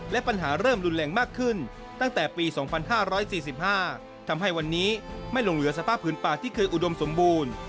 และปัญหาเริ่มรุนแรงมากขึ้นตั้งแต่ปี๒๕๔๕ทำให้วันนี้ไม่ลงเหลือสภาพผืนป่าที่เคยอุดมสมบูรณ์